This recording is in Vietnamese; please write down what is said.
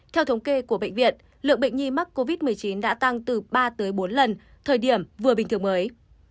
trong chống kê của bệnh viện lượng bệnh nhi mắc covid một mươi chín đã tăng từ ba tới bốn lần thời điểm vừa bình thường mới